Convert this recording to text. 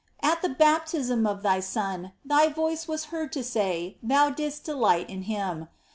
At the baptism of Thy Son, Thy voice was heard to say Thou didst delight in Him.